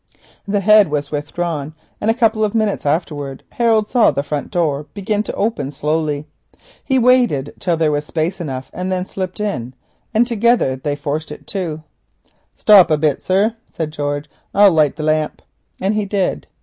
The head was withdrawn and a couple of minutes afterwards Harold saw the front door begin to open slowly. He waited till there was space enough, and then slipped in, and together they forced it to. "Stop a bit, sir," said George; "I'll light the lamp;" and he did.